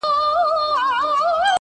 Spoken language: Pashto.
زما شاعري وخوړه زې وخوړم_